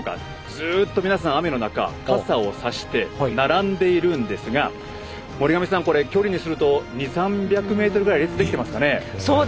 ずっと皆さん雨の中、傘をさして並んでいるんですが、森上さん距離にすると２００３００ｍくらい列ができていますかね。